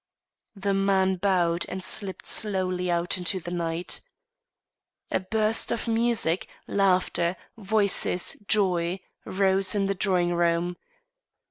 The man bowed, and slipped slowly out into the night. A burst of music, laughter, voices, joy, rose in the drawing room.